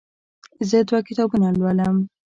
زه دوه کتابونه لولم.